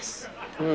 うん。